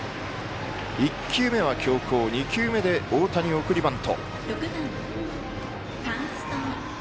１球目は強攻、２球目は太田に送りバント。